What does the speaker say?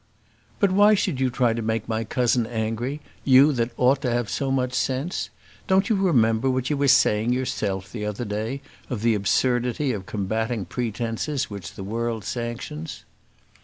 "But why should you try to make my cousin angry; you that ought to have so much sense? Don't you remember what you were saying yourself the other day, of the absurdity of combatting pretences which the world sanctions?"